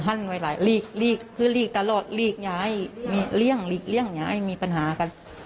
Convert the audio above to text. หั่นไว้หลายลีกลีกคือลีกตลอดลีกย้ายเลี่ยงเลี่ยงย้ายมีปัญหากัน